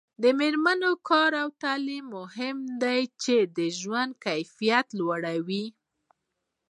د میرمنو کار او تعلیم مهم دی ځکه چې ژوند کیفیت لوړوي.